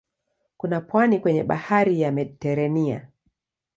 Kuna pwani kwenye bahari ya Mediteranea.